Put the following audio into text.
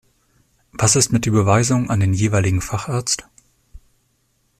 Was ist mit der Überweisung an den jeweiligen Facharzt?